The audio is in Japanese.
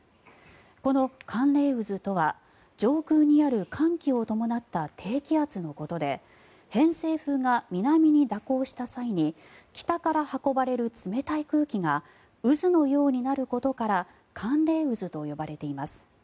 この寒冷渦とは上空にある寒気を伴った低気圧のことで偏西風が南に蛇行した際に北から運ばれる冷たい空気が渦のようになることから寒冷渦と呼ばれています。